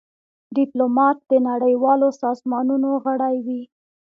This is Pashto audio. ډيپلومات د نړېوالو سازمانونو غړی وي.